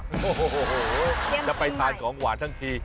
เนี่ยต้องกินใหม่จะไปทานของหวานทั้งที